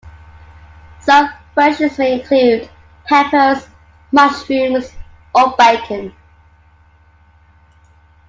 Some versions may include peppers, mushrooms, or bacon.